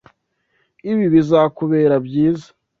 Ibi bizakubera byiza.